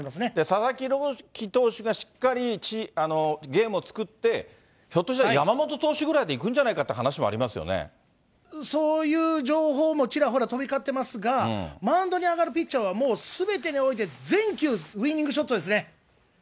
佐々木朗希投手がしっかりゲームを作って、ひょっとしたら山本投手ぐらいでいくんじゃないかっていう話もあそういう情報もちらほら飛び交ってますが、マウンドに上がるピッチャーはもうすべてにおいて全球、ウイニングショットですね。